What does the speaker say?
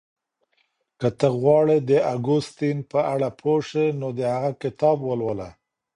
که ته غواړې د اګوستين په اړه پوه شې نو د هغه کتاب ولوله.